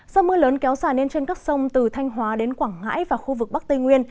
sau mưa lớn kéo dài lên trên các sông từ thanh hóa đến quảng ngãi và khu vực bắc tinh